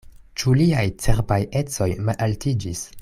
Ĉu liaj cerbaj ecoj malaltiĝis?